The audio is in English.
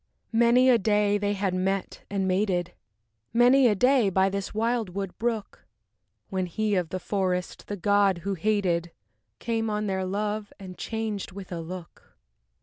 VI Many a day had they met and mated, Many a day by this wildwood brook, When he of the forest, the god who hated, Came on their love and changed with a look.